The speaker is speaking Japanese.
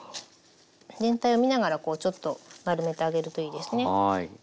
全体を見ながらこうちょっと丸めてあげるといいですね。